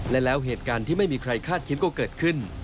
และแล้วเหตุการณ์ที่ไม่มีใครคาดคิดก็เกิดขึ้น